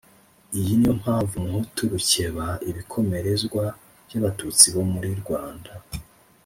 iyi niyo mpamvu umuhutu rukeba ibikomerezwa by' abatutsi bo muri rwanda